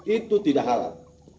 itu tidak halat